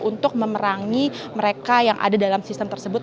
untuk memerangi mereka yang ada dalam sistem tersebut